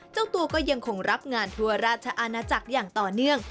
เจ้าตัวก็ยังคงรับงานทั่วราชอาณาจักรอย่างต่อเนื่อง